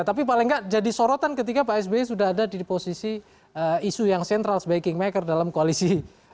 tapi paling nggak jadi sorotan ketika pak sby sudah ada di posisi isu yang central sebagai kingmaker dalam koalisi